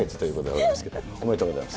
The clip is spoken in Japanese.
ありがとうございます。